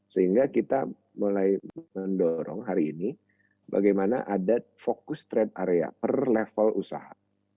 sehingga kita mulai mendorong hari ini bagaimana ada fokus trade area per level usaha